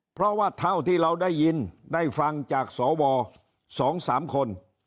เพราะว่าเท่าที่เราได้ยินได้ฟังจากสว๒๓คน